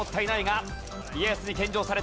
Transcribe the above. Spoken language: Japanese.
家康に献上された。